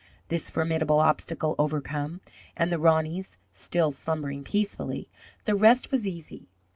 This formidable obstacle overcome and the Roneys still slumbering peacefully, the rest was easy.